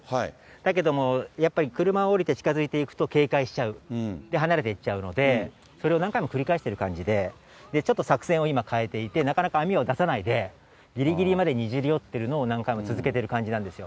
だけども、やっぱり車を降りて近づいていくと、警戒しちゃう、離れていっちゃうので、それを何回も繰り返している感じで、ちょっと作戦を今、変えていて、なかなか網を出さないで、ぎりぎりまでにじり寄ってるのを、何回も続けている感じなんですよ。